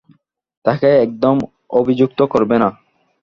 তাকে একদম অভিযুক্ত করবে না!